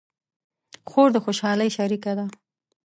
خور د خوشحالۍ شریکه ده.